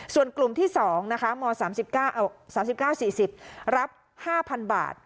ส่วนกลุ่มที่๒นะคะม๓๙๔๐รับ๕๐๐๐บาท